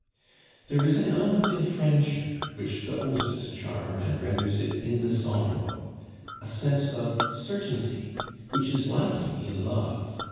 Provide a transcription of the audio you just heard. There is an element in friendship which doubles its charm and renders it indissoluble a sense of certainty which is lacking in love.